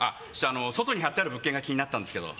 外に貼ってある物件が気になったんですけど。